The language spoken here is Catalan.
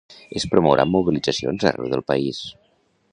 Es promouran mobilitzacions arreu del país.